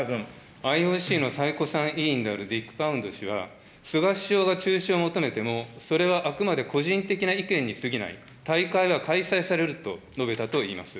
ＩＯＣの最古参委員である、菅首相が中止を求めても、それはあくまで個人的な意見にすぎない、大会は開催されると述べたといいます。